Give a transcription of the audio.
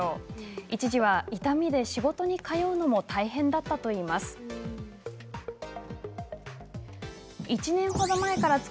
一時は、痛みで仕事に通うのも大変だったといいます。